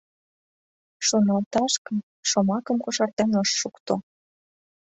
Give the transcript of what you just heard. Шоналташ гын... — шомакым кошартен ыш шукто.